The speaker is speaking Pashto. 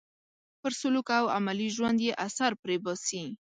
پر سلوک او عملي ژوند یې اثر پرې باسي.